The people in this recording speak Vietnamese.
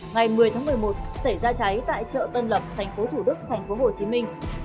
ngày một mươi tháng một mươi một xảy ra cháy tại chợ tân lập thành phố thủ đức thành phố hồ chí minh